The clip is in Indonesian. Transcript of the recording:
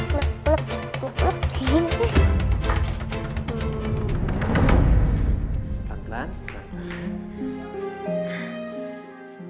pelan pelan pelan pelan ya